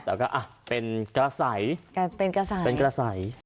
แต่ก็อ่ะเป็นกระใสเป็นกระใสเป็นกระใส